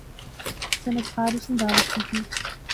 صنعتکار اس نی دعوت کیتی